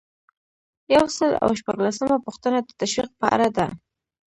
یو سل او شپږلسمه پوښتنه د تشویق په اړه ده.